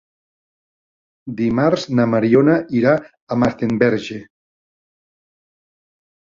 Dimarts na Mariona irà a Masdenverge.